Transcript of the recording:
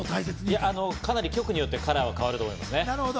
局によってカラーは変わると思います。